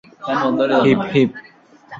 Heap, heap!